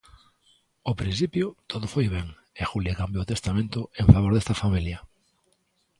Ao principio todo foi ben e Julia cambiou o testamento en favor desta familia.